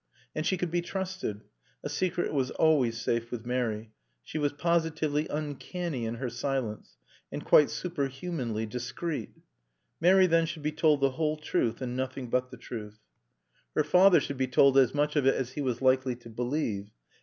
And she could be trusted. A secret was always safe with Mary. She was positively uncanny in her silence, and quite superhumanly discreet. Mary, then, should be told the whole truth and nothing but the truth. Her father should be told as much of it as he was likely to believe.